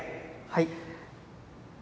はい。